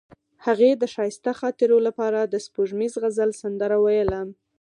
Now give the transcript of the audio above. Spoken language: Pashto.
هغې د ښایسته خاطرو لپاره د سپوږمیز غزل سندره ویله.